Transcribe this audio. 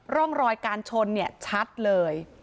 ร่องรอยการชนชัดเลย